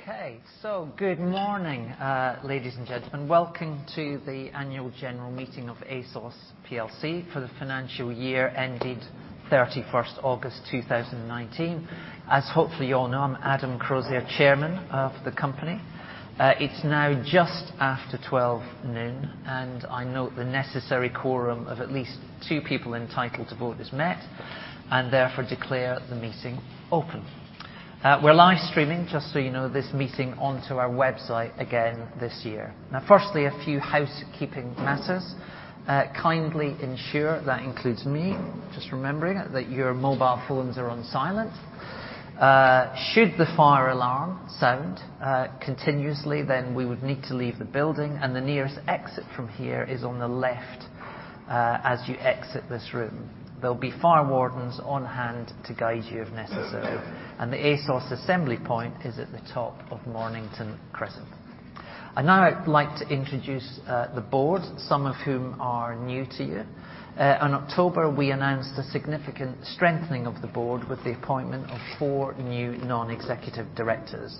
Okay. Good morning, ladies and gentlemen. Welcome to the annual general meeting of ASOS Plc for the financial year ended 31st August 2019. As hopefully you all know, I'm Adam Crozier, Chairman of the company. It's now just after 12:00 P.M. and I note the necessary quorum of at least two people entitled to vote is met, and therefore declare the meeting open. We're live streaming, just so you know, this meeting onto our website again this year. Firstly, a few housekeeping matters. Kindly ensure, that includes me, just remembering it, that your mobile phones are on silent. Should the fire alarm sound continuously, then we would need to leave the building, and the nearest exit from here is on the left as you exit this room. There'll be fire wardens on hand to guide you if necessary. The ASOS assembly point is at the top of Mornington Crescent. Now I'd like to introduce the board, some of whom are new to you. In October, we announced a significant strengthening of the board with the appointment of four new non-executive directors.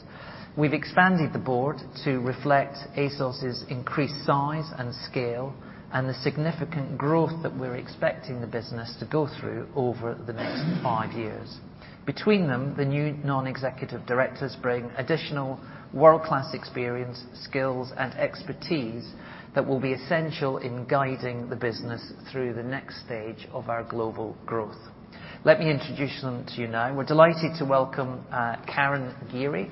We've expanded the board to reflect ASOS' increased size and scale, and the significant growth that we're expecting the business to go through over the next five years. Between them, the new non-executive directors bring additional world-class experience, skills, and expertise that will be essential in guiding the business through the next stage of our global growth. Let me introduce them to you now. We're delighted to welcome Karen Geary,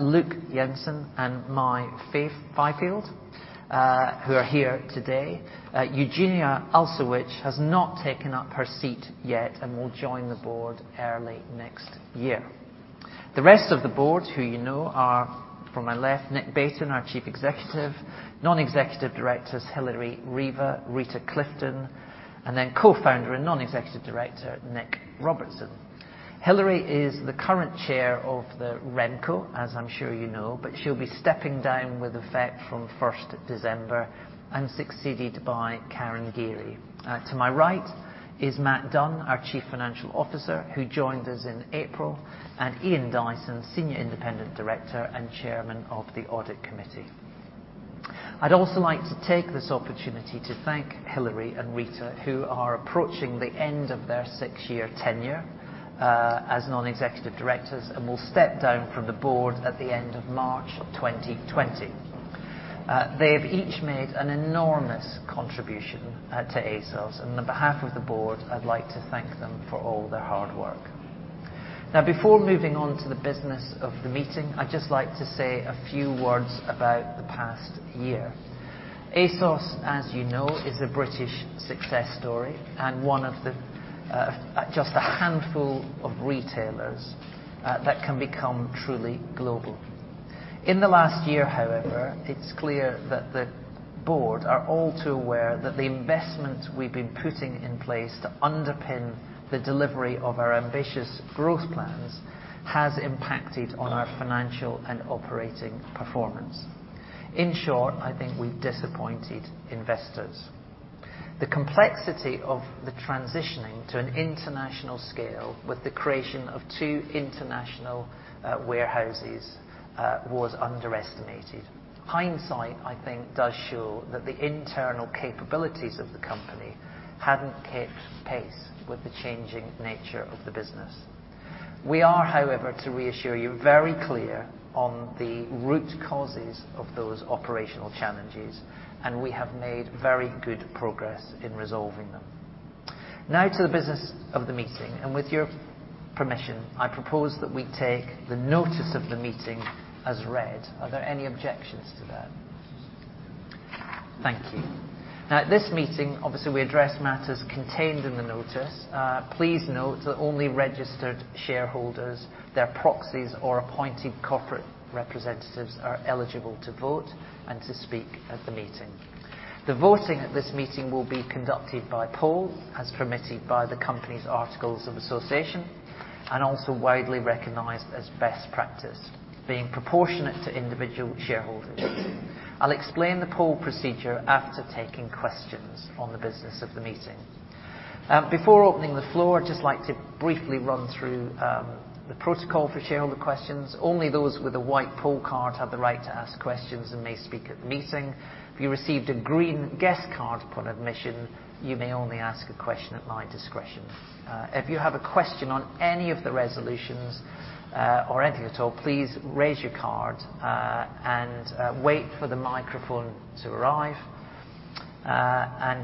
Luke Jensen, and Mai Fyfield, who are here today. Eugenia Ulasewicz has not taken up her seat yet and will join the board early next year. The rest of the board, who you know, are from my left, Nick Beighton, our Chief Executive, non-executive directors Hilary Riva, Rita Clifton, then co-founder and non-executive director, Nick Robertson. Hilary is the current chair of the RemCo, as I'm sure you know, she'll be stepping down with effect from 1st December and succeeded by Karen Geary. To my right is Matt Dunn, our Chief Financial Officer, who joined us in April, and Ian Dyson, Senior Independent Director and Chairman of the Audit Committee. I'd also like to take this opportunity to thank Hilary and Rita, who are approaching the end of their six-year tenure, as non-executive directors and will step down from the board at the end of March 2020. They have each made an enormous contribution to ASOS, and on behalf of the board, I'd like to thank them for all their hard work. Now before moving on to the business of the meeting, I'd just like to say a few words about the past year. ASOS, as you know, is a British success story and one of the just a handful of retailers that can become truly global. In the last year, however, it's clear that the board are all too aware that the investments we've been putting in place to underpin the delivery of our ambitious growth plans has impacted on our financial and operating performance. In short, I think we've disappointed investors. The complexity of the transitioning to an international scale with the creation of two international warehouses was underestimated. Hindsight, I think does show that the internal capabilities of the company hadn't kept pace with the changing nature of the business. We are, however, to reassure you, very clear on the root causes of those operational challenges, and we have made very good progress in resolving them. To the business of the meeting, with your permission, I propose that we take the notice of the meeting as read. Are there any objections to that? Thank you. At this meeting, obviously, we address matters contained in the notice. Please note that only registered shareholders, their proxies, or appointed corporate representatives are eligible to vote and to speak at the meeting. The voting at this meeting will be conducted by poll as permitted by the company's articles of association, also widely recognized as best practice, being proportionate to individual shareholders. I'll explain the poll procedure after taking questions on the business of the meeting. Before opening the floor, I'd just like to briefly run through the protocol for shareholder questions. Only those with a white poll card have the right to ask questions and may speak at the meeting. If you received a green guest card upon admission, you may only ask a question at my discretion. If you have a question on any of the resolutions, or anything at all, please raise your card, and wait for the microphone to arrive.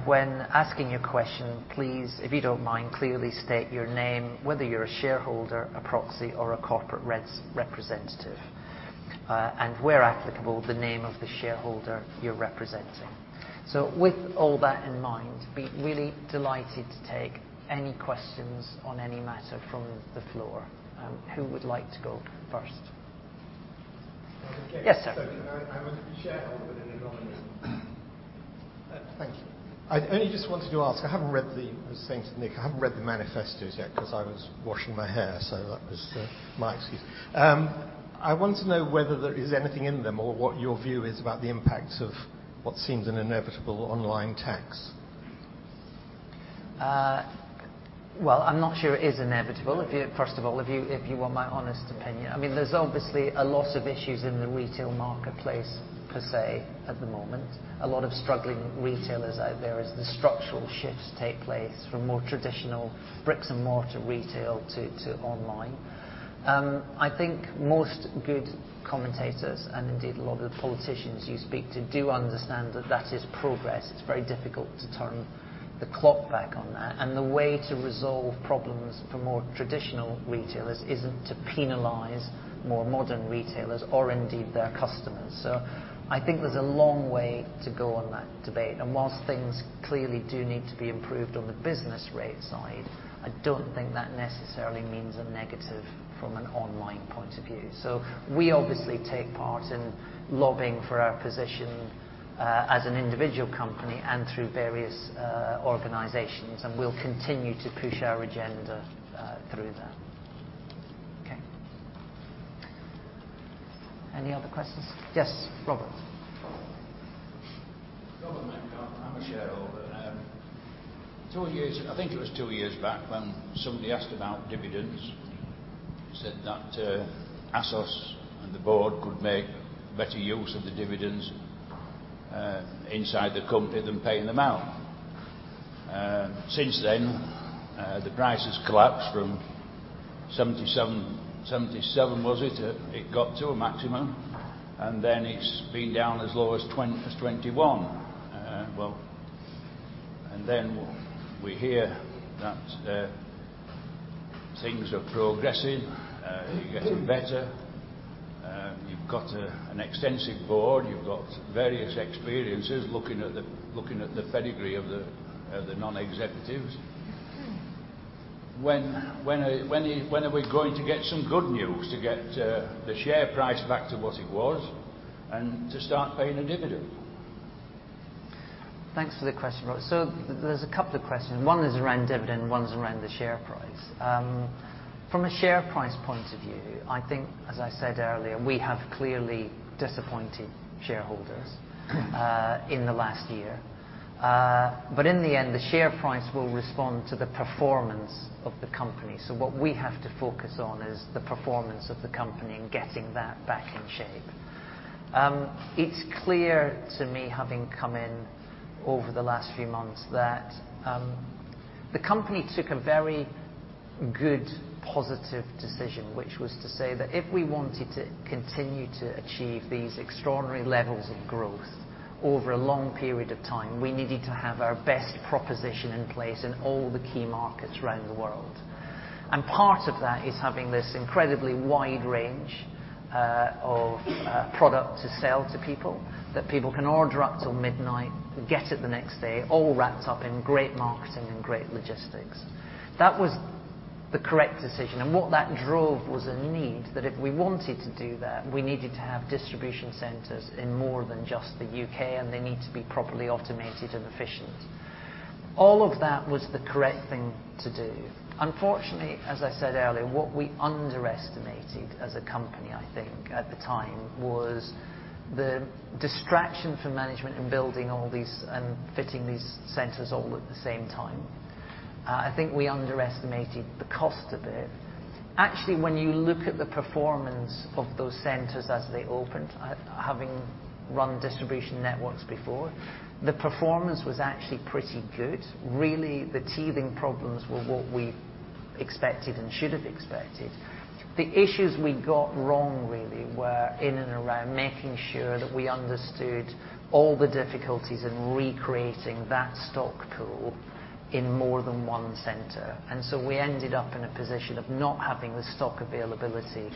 When asking your question, please, if you don't mind, clearly state your name, whether you're a shareholder, a proxy, or a corporate representative, and where applicable, the name of the shareholder you're representing. With all that in mind, be really delighted to take any questions on any matter from the floor. Who would like to go first? Yes. I'm a shareholder with. Thank you. I only just wanted to ask. I was saying to Nick, I haven't read the manifesto yet because I was washing my hair, so that was my excuse. I want to know whether there is anything in them or what your view is about the impact of what seems an inevitable online tax. Well, I'm not sure it is inevitable, first of all, if you want my honest opinion. There's obviously a lot of issues in the retail marketplace, per se, at the moment. A lot of struggling retailers out there as the structural shifts take place from more traditional bricks-and-mortar retail to online. I think most good commentators, and indeed, a lot of the politicians you speak to, do understand that that is progress. It's very difficult to turn the clock back on that. The way to resolve problems for more traditional retailers isn't to penalize more modern retailers or indeed their customers. I think there's a long way to go on that debate. Whilst things clearly do need to be improved on the business rate side, I don't think that necessarily means a negative from an online point of view. We obviously take part in lobbying for our position as an individual company and through various organizations, and we'll continue to push our agenda through that. Okay. Any other questions? Yes, Robert. Robert McCart. I'm a shareholder. I think it was two years back when somebody asked about dividends. He said that ASOS and the board could make better use of the dividends inside the company than paying them out. Since then, the price has collapsed from 77 was it? It got to a maximum, then it's been down as low as 21. Well, then we hear that things are progressing, you're getting better, you've got an extensive board, you've got various experiences, looking at the pedigree of the non-executives. When are we going to get some good news to get the share price back to what it was and to start paying a dividend? Thanks for the question, Robert. There's a couple of questions. One is around dividend, and one's around the share price. From a share price point of view, I think, as I said earlier, we have clearly disappointed shareholders in the last year. In the end, the share price will respond to the performance of the company. What we have to focus on is the performance of the company and getting that back in shape. It's clear to me, having come in over the last few months, that the company took a very good, positive decision, which was to say that if we wanted to continue to achieve these extraordinary levels of growth over a long period of time, we needed to have our best proposition in place in all the key markets around the world. Part of that is having this incredibly wide range of product to sell to people, that people can order up till midnight, get it the next day, all wrapped up in great marketing and great logistics. That was the correct decision. What that drove was a need that if we wanted to do that, we needed to have distribution centers in more than just the U.K., and they need to be properly automated and efficient. All of that was the correct thing to do. Unfortunately, as I said earlier, what we underestimated as a company, I think, at the time, was the distraction for management in building all these and fitting these centers all at the same time. I think we underestimated the cost of it. Actually, when you look at the performance of those centers as they opened, having run distribution networks before, the performance was actually pretty good. Really, the teething problems were what we expected and should have expected. The issues we got wrong, really, were in and around making sure that we understood all the difficulties in recreating that stock pool in more than one center. We ended up in a position of not having the stock availability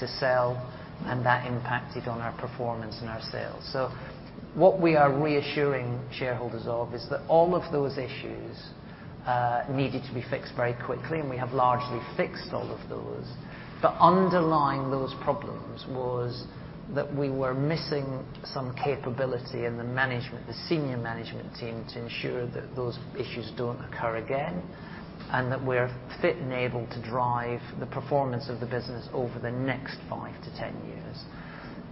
to sell, and that impacted on our performance and our sales. What we are reassuring shareholders of is that all of those issues needed to be fixed very quickly, and we have largely fixed all of those. Underlying those problems was that we were missing some capability in the senior management team to ensure that those issues don't occur again, and that we're fit and able to drive the performance of the business over the next 5 to 10 years.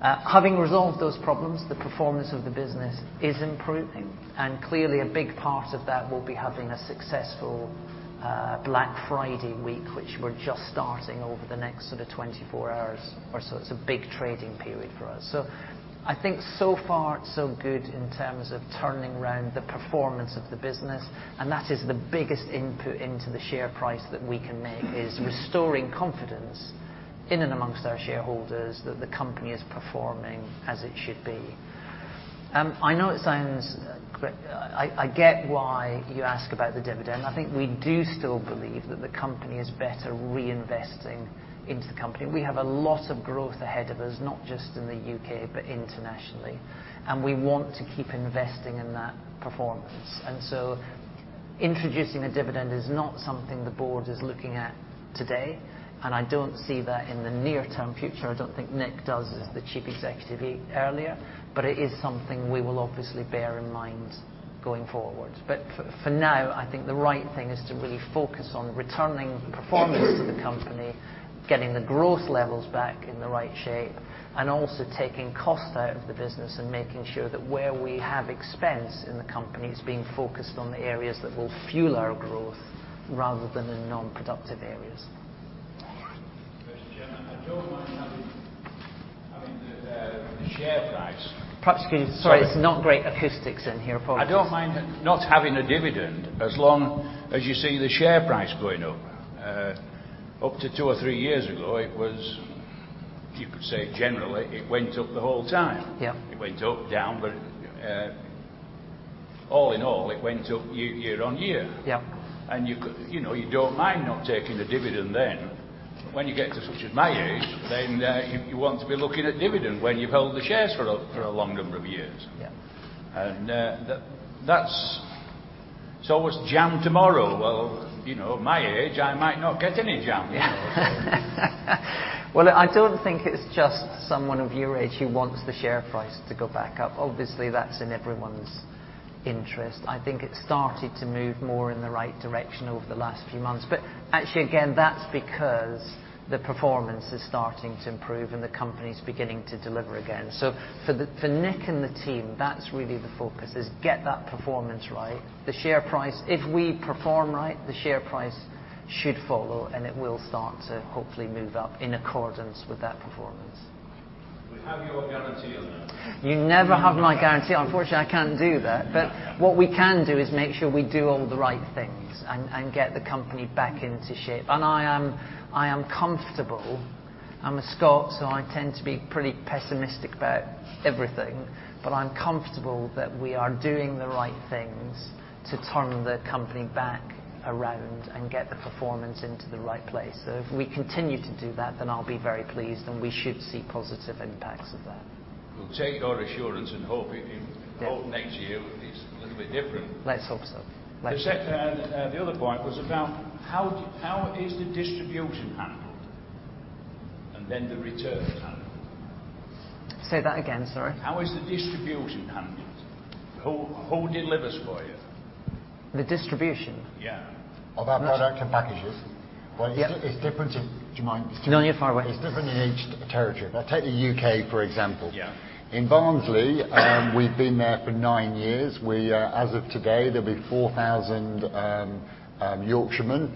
Having resolved those problems, the performance of the business is improving, and clearly a big part of that will be having a successful Black Friday week, which we're just starting over the next sort of 24 hours or so. It's a big trading period for us. I think so far, so good in terms of turning around the performance of the business, and that is the biggest input into the share price that we can make, is restoring confidence in and amongst our shareholders that the company is performing as it should be. I get why you ask about the dividend. I think we do still believe that the company is better reinvesting into the company. We have a lot of growth ahead of us, not just in the U.K., but internationally. We want to keep investing in that performance. Introducing a dividend is not something the board is looking at today. I don't see that in the near-term future. I don't think Nick does, as the Chief Executive earlier. It is something we will obviously bear in mind going forward. For now, I think the right thing is to really focus on returning performance to the company, getting the growth levels back in the right shape, and also taking costs out of the business and making sure that where we have expense in the company, it's being focused on the areas that will fuel our growth rather than in non-productive areas. Chairman, I don't mind having the share price- Sorry, it's not great acoustics in here. Apologies. I don't mind not having a dividend as long as you see the share price going up. Up to two or three years ago, it was, you could say generally, it went up the whole time. Yeah. It went up, down, but all in all, it went up year-on-year. Yep. You don't mind not taking a dividend then. When you get to such as my age, then you want to be looking at dividend when you've held the shares for a long number of years. Yeah. It's always jam tomorrow. Well, at my age, I might not get any jam. Yeah. Well, I don't think it's just someone of your age who wants the share price to go back up. Obviously, that's in everyone's interest. I think it's started to move more in the right direction over the last few months. Actually again, that's because the performance is starting to improve and the company's beginning to deliver again. For Nick and the team, that's really the focus, is get that performance right. The share price, if we perform right, the share price should follow, and it will start to hopefully move up in accordance with that performance. We have your guarantee on that? You never have my guarantee. Unfortunately, I can't do that. Okay. What we can do is make sure we do all the right things and get the company back into shape. I am comfortable, I'm a Scot, so I tend to be pretty pessimistic about everything. I'm comfortable that we are doing the right things to turn the company back around and get the performance into the right place. If we continue to do that, then I'll be very pleased, and we should see positive impacts of that. We'll take your assurance and hope next year it's a little bit different. Let's hope so. The other point was about how is the distribution handled, and then the returns handled? Say that again, sorry. How is the distribution handled? Who delivers for you? The distribution? Yeah. Of our product and packages? Yep. Well, it's different in. Do you mind? No, you're far away. It's different in each territory. Take the U.K., for example. Yeah. In Barnsley, we've been there for nine years. As of today, there'll be 4,000 Yorkshiremen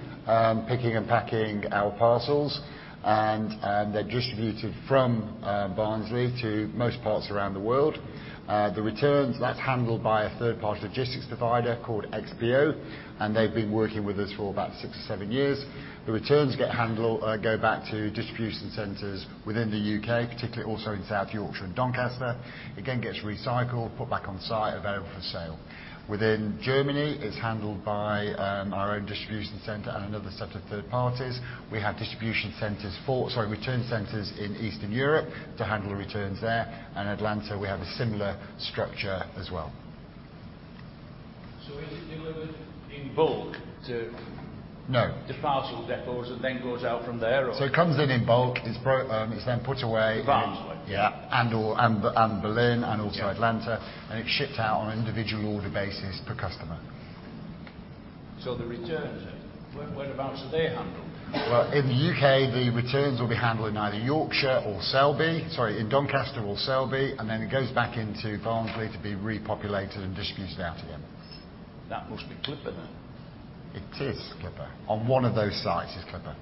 picking and packing our parcels. They're distributed from Barnsley to most parts around the world. The returns, that's handled by a third party logistics provider called XPO, and they've been working with us for about six or seven years. The returns go back to distribution centers within the U.K., particularly also in South Yorkshire and Doncaster. Again, gets recycled, put back on site, available for sale. Within Germany, it's handled by our own distribution center and another set of third parties. We have distribution centers for, sorry, return centers in Eastern Europe to handle returns there. In Atlanta, we have a similar structure as well. Is it delivered in bulk? No. The parcel depots and then goes out from there, or? It comes in in bulk. It's then put away. To Barnsley? Yeah. Berlin and also Atlanta. It's shipped out on an individual order basis per customer. The returns, whereabouts are they handled? Well, in the U.K., the returns will be handled in either Yorkshire or Selby, sorry, in Doncaster or Selby, and then it goes back into Barnsley to be repopulated and distributed out again. That must be Clipper then. It is Clipper. On one of those sites is Clipper.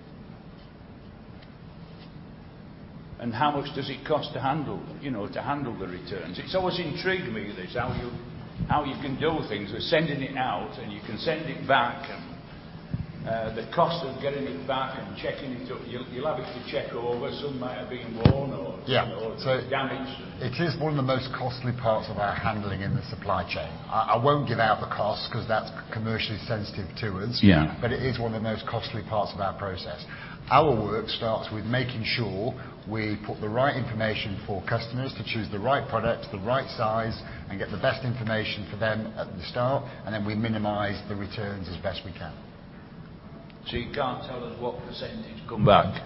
How much does it cost to handle the returns? It's always intrigued me, this, how you can do things with sending it out and you can send it back, and the cost of getting it back and checking it up. You'll have it to check over. Some might have been worn or- Yeah. Damaged. It is one of the most costly parts of our handling in the supply chain. I won't give out the cost because that's commercially sensitive to us. It is one of the most costly parts of our process. Our work starts with making sure we put the right information for customers to choose the right product, the right size, and get the best information for them at the start, and then we minimize the returns as best we can. You can't tell us what percent come back?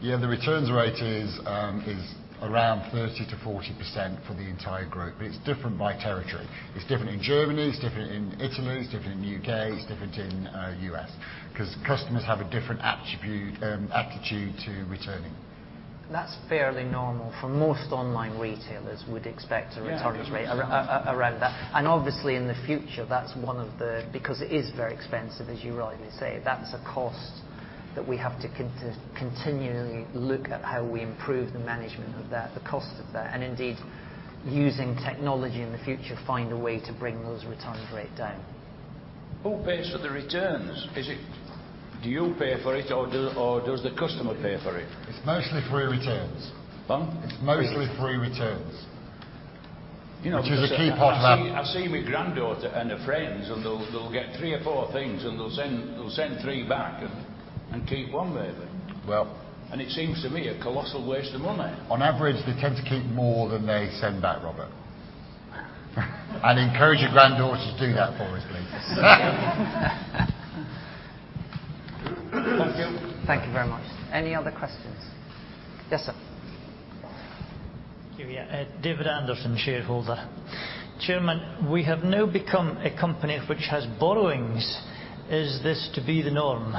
Yeah, the returns rate is around 30%-40% for the entire group, but it's different by territory. It's different in Germany, it's different in Italy, it's different in U.K., it's different in U.S., because customers have a different attitude to returning. That's fairly normal for most online retailers would expect a returns rate around that. Obviously in the future, because it is very expensive, as you rightly say, that's a cost that we have to continually look at how we improve the management of that, the cost of that, and indeed, using technology in the future, find a way to bring those returns rate down. Who pays for the returns? Do you pay for it or does the customer pay for it? It's mostly free returns. Pardon? It's mostly free returns. Which is a key part of our. I see my granddaughter and her friends and they'll get three or four things, and they'll send three back and keep one maybe. Well. It seems to me a colossal waste of money. On average, they tend to keep more than they send back, Robert. Encourage your granddaughter to do that for us, please. Thank you. Thank you very much. Any other questions? Yes, sir. Thank you. David Anderson, shareholder. Chairman, we have now become a company which has borrowings. Is this to be the norm?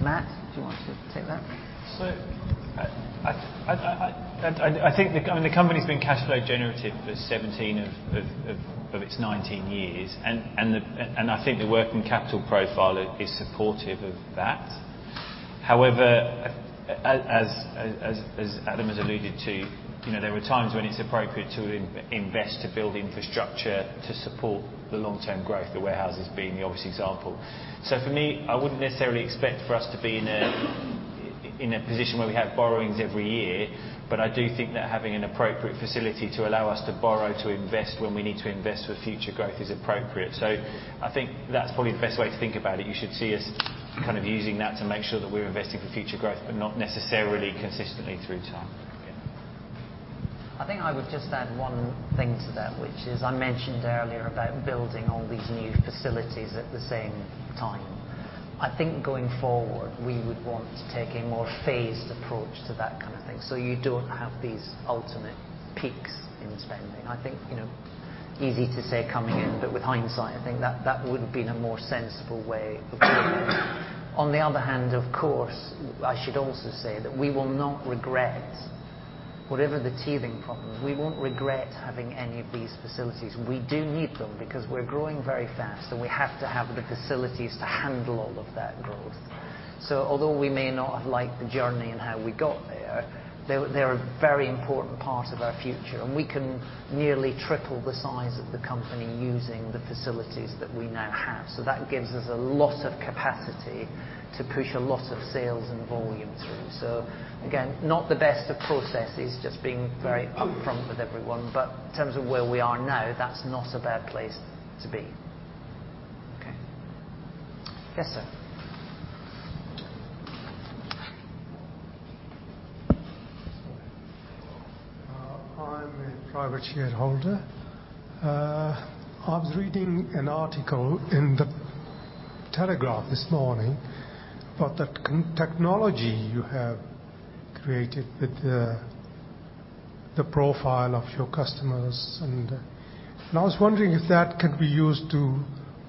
Matt, do you want to take that? I think the company's been cash flow generative for 17 of its 19 years, and I think the working capital profile is supportive of that. As Adam has alluded to, there are times when it's appropriate to invest to build infrastructure to support the long-term growth, the warehouses being the obvious example. For me, I wouldn't necessarily expect for us to be in a position where we have borrowings every year, but I do think that having an appropriate facility to allow us to borrow to invest when we need to invest for future growth is appropriate. I think that's probably the best way to think about it. You should see us kind of using that to make sure that we're investing for future growth, but not necessarily consistently through time. I think I would just add one thing to that, which is I mentioned earlier about building all these new facilities at the same time. I think going forward, we would want to take a more phased approach to that kind of thing so you don't have these ultimate peaks in spending. I think, easy to say coming in, but with hindsight, I think that would've been a more sensible way of doing it. Of course, I should also say that we will not regret, whatever the teething problems, we won't regret having any of these facilities. We do need them because we're growing very fast, and we have to have the facilities to handle all of that growth. Although we may not have liked the journey and how we got there, they're a very important part of our future, and we can nearly triple the size of the company using the facilities that we now have. That gives us a lot of capacity to push a lot of sales and volume through. Again, not the best of processes, just being very upfront with everyone, but in terms of where we are now, that's not a bad place to be. Okay. Yes, sir. I'm a private shareholder. I was reading an article in "The Telegraph" this morning about the technology you have created with the profile of your customers, and I was wondering if that could be used to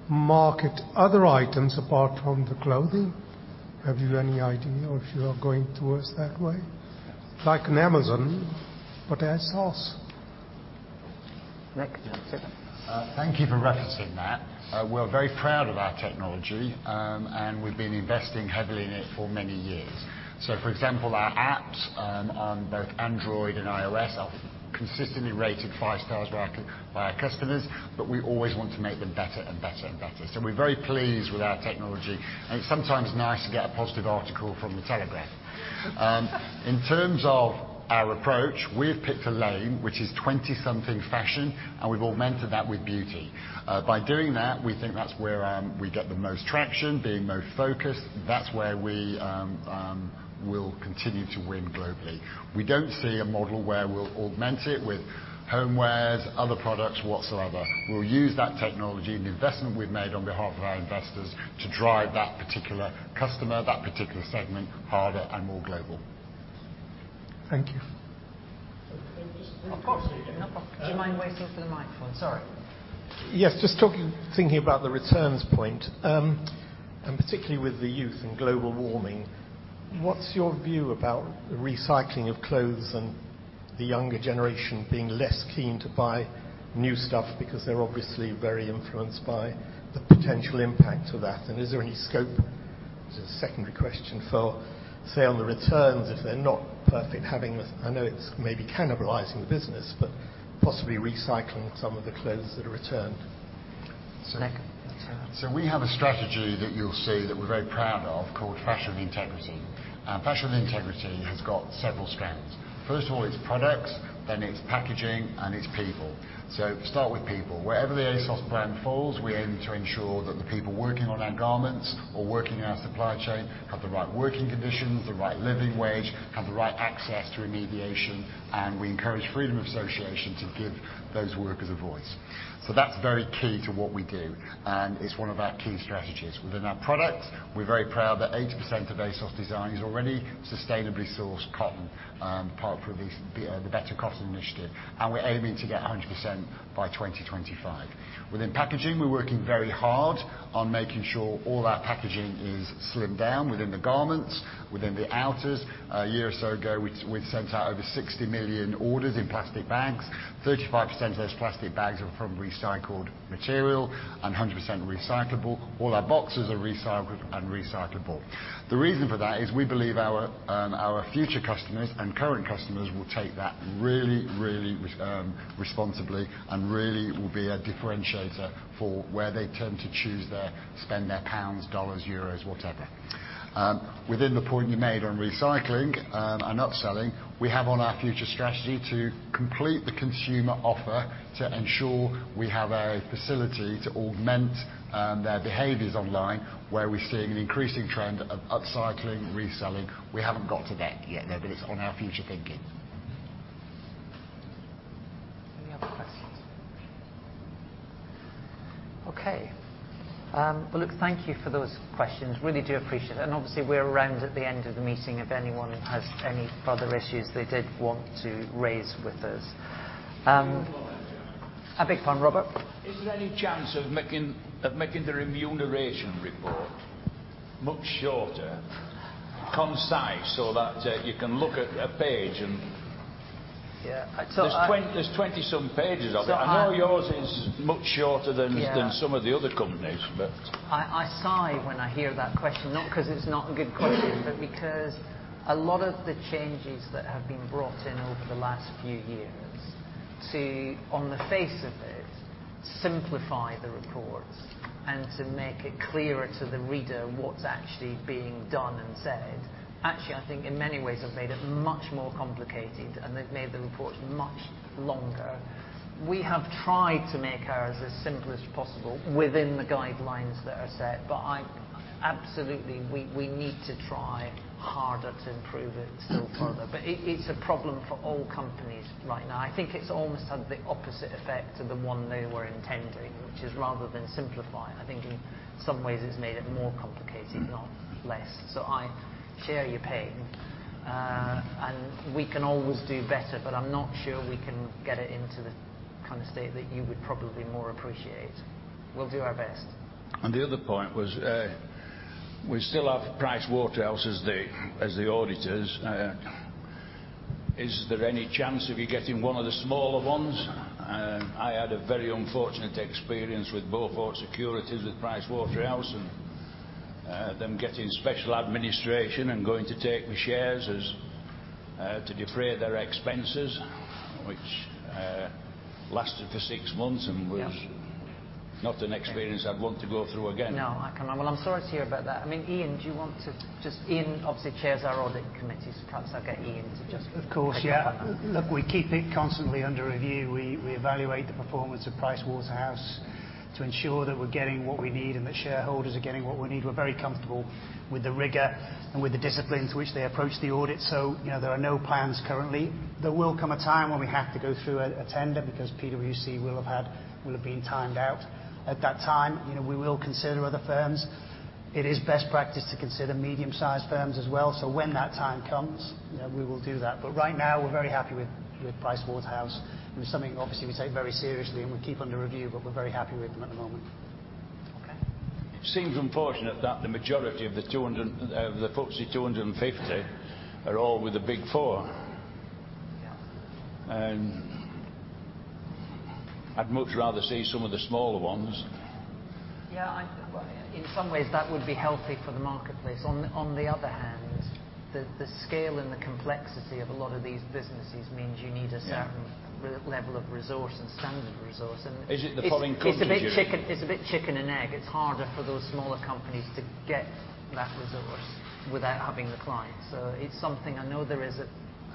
market other items apart from the clothing. Have you any idea if you are going towards that way, like an Amazon, but ASOS? Nick, do you want to take that? Thank you for referencing that. We're very proud of our technology, we've been investing heavily in it for many years. For example, our apps on both Android and iOS are consistently rated five stars by our customers, we always want to make them better and better and better. We're very pleased with our technology, it's sometimes nice to get a positive article from The Telegraph. In terms of our approach, we've picked a lane, which is 20-something fashion, we've augmented that with beauty. By doing that, we think that's where we get the most traction, being the most focused. That's where we will continue to win globally. We don't see a model where we'll augment it with homewares, other products whatsoever. We'll use that technology and the investment we've made on behalf of our investors to drive that particular customer, that particular segment harder and more global. Thank you. At the back. Do you mind waiting for the microphone? Sorry. Yes, just thinking about the returns point, and particularly with the youth and global warming, what's your view about the recycling of clothes and the younger generation being less keen to buy new stuff because they're obviously very influenced by the potential impact of that? Is there any scope, as a secondary question, for, say, on the returns, if they're not perfect, having, I know it's maybe cannibalizing the business, but possibly recycling some of the clothes that are returned? Nick, do you want to take that? We have a strategy that you'll see that we're very proud of called Fashion Integrity. Fashion Integrity has got several strands. First of all, it's products, then it's packaging, and it's people. Start with people. Wherever the ASOS brand falls, we aim to ensure that the people working on our garments or working in our supply chain have the right working conditions, the right living wage, have the right access to remediation, and we encourage freedom of association to give those workers a voice. That's very key to what we do, and it's one of our key strategies. Within our product, we're very proud that 80% of ASOS Design is already sustainably sourced cotton, part of the Better Cotton Initiative, and we're aiming to get 100% by 2025. Within packaging, we're working very hard on making sure all our packaging is slimmed down within the garments, within the outers. A year or so ago, we sent out over 60 million orders in plastic bags. 35% of those plastic bags were from recycled material and 100% recyclable. All our boxes are recycled and recyclable. The reason for that is we believe our future customers and current customers will take that really, really responsibly and really will be a differentiator for where they tend to choose their, spend their pounds, dollars, euros, whatever. Within the point you made on recycling and upselling, we have on our future strategy to complete the consumer offer to ensure we have a facility to augment their behaviors online, where we're seeing an increasing trend of upcycling, reselling. We haven't got to that yet, though, but it's on our future thinking. Any other questions? Okay. Well, look, thank you for those questions. Really do appreciate it. Obviously, we're around at the end of the meeting if anyone has any other issues they did want to raise with us. A big one, Robert. Is there any chance of making the remuneration report much shorter, concise so that you can look at a page? Yeah. There's 20 some pages of it. So I- I know yours is much shorter than. Yeah. Some of the other companies, but. I sigh when I hear that question, not because it's not a good question but because a lot of the changes that have been brought in over the last few years to, on the face of it, simplify the reports and to make it clearer to the reader what's actually being done and said. Actually, I think in many ways have made it much more complicated, and they've made the report much longer. We have tried to make ours as simple as possible within the guidelines that are set, but absolutely, we need to try harder to improve it still further. It's a problem for all companies right now. I think it's almost had the opposite effect to the one they were intending, which is rather than simplifying, I think in some ways it's made it more complicated, not less. I share your pain. We can always do better, but I'm not sure we can get it into the kind of state that you would probably more appreciate. We'll do our best. The other point was, we still have PricewaterhouseCoopers as the auditors. Is there any chance of you getting one of the smaller ones? I had a very unfortunate experience with Beaufort Securities with PricewaterhouseCoopers and them getting special administration and going to take my shares as to defray their expenses, which lasted for six months and was. Yeah. Not an experience I'd want to go through again. Well, I'm sorry to hear about that. Ian obviously chairs our Audit Committee, so perhaps I'll get Ian to. Of course, yeah. Comment on that. Look, we keep it constantly under review. We evaluate the performance of PricewaterhouseCoopers to ensure that we're getting what we need and that shareholders are getting what we need. We're very comfortable with the rigor and with the discipline to which they approach the audit. There are no plans currently. There will come a time when we have to go through a tender because PwC will have been timed out. At that time, we will consider other firms. It is best practice to consider medium-sized firms as well. When that time comes, we will do that. Right now, we're very happy with PricewaterhouseCoopers, and it's something obviously we take very seriously, and we keep under review, but we're very happy with them at the moment. Okay. It seems unfortunate that the majority of the FTSE 250 are all with the Big Four. Yeah. I'd much rather see some of the smaller ones. Well, in some ways, that would be healthy for the marketplace. On the other hand, the scale and the complexity of a lot of these businesses means you need. Yeah. level of resource and standard of resource, Is it the falling costs? It's a bit chicken and egg. It's harder for those smaller companies to get that resource without having the clients. It's something I know there is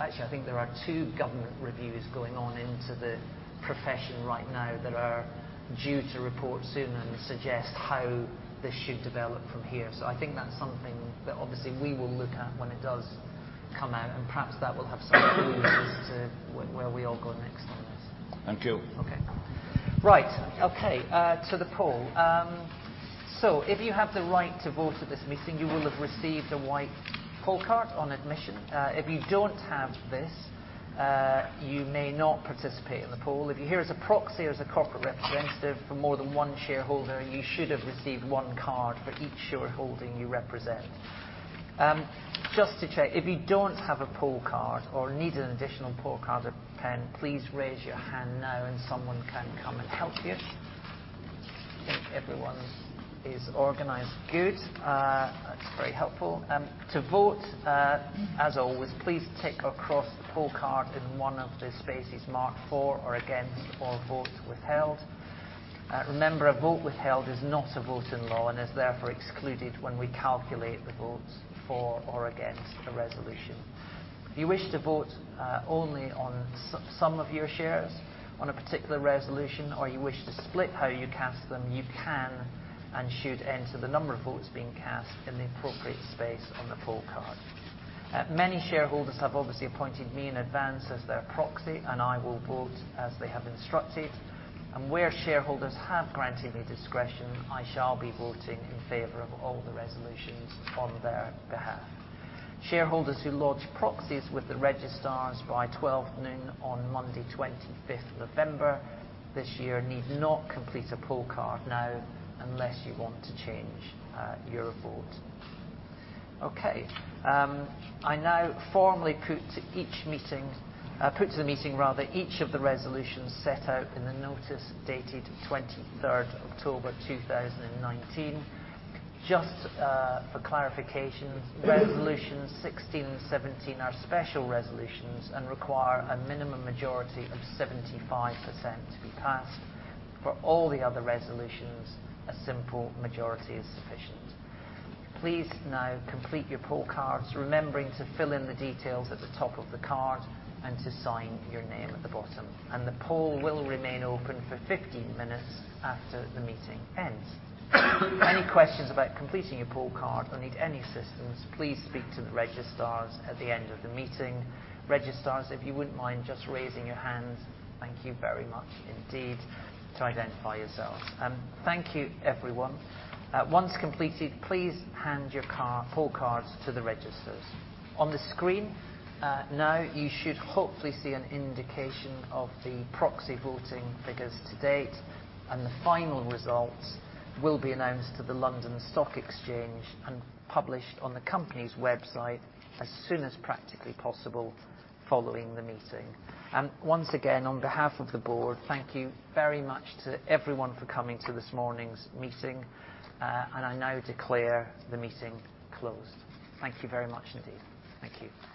Actually, I think there are two government reviews going on into the profession right now that are due to report soon and suggest how this should develop from here. I think that's something that obviously we will look at when it does come out, and perhaps that will have some clues as to where we all go next on this. Thank you. Okay. Right. Okay, to the poll. If you have the right to vote at this meeting, you will have received a white poll card on admission. If you don't have this, you may not participate in the poll. If you're here as a proxy or as a corporate representative for more than one shareholder, you should have received one card for each shareholding you represent. Just to check, if you don't have a poll card or need an additional poll card or pen, please raise your hand now and someone can come and help you. I think everyone is organized. Good. That's very helpful. To vote, as always, please tick across the poll card in one of the spaces marked for or against or vote withheld. Remember, a vote withheld is not a vote in law and is therefore excluded when we calculate the votes for or against a resolution. If you wish to vote only on some of your shares on a particular resolution or you wish to split how you cast them, you can and should enter the number of votes being cast in the appropriate space on the poll card. Many shareholders have obviously appointed me in advance as their proxy, and I will vote as they have instructed, and where shareholders have granted me discretion, I shall be voting in favor of all the resolutions on their behalf. Shareholders who lodge proxies with the registrars by 12:00 P.M. on Monday, 25th November this year need not complete a poll card now unless you want to change your vote. Okay. I now formally put to the meeting each of the resolutions set out in the notice dated 23rd October 2019. Just for clarification resolutions 16 and 17 are special resolutions and require a minimum majority of 75% to be passed. For all the other resolutions, a simple majority is sufficient. Please now complete your poll cards, remembering to fill in the details at the top of the card and to sign your name at the bottom. The poll will remain open for 15 minutes after the meeting ends. Any questions about completing your poll card or need any assistance, please speak to the registrars at the end of the meeting. Registrars, if you wouldn't mind just raising your hands. Thank you very much indeed, to identify yourselves. Thank you, everyone. Once completed, please hand your poll cards to the registrars. On the screen now you should hopefully see an indication of the proxy voting figures to date, and the final results will be announced to the London Stock Exchange and published on the company's website as soon as practically possible following the meeting. Once again, on behalf of the board, thank you very much to everyone for coming to this morning's meeting, and I now declare the meeting closed. Thank you very much indeed. Thank you.